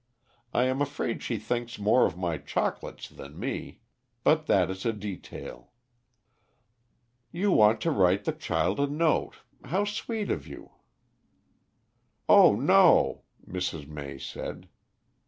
I am afraid she thinks more of my chocolates than me, but that is a detail." "You want to write the child a note. How sweet of you!" "Oh, no," Mrs. May said.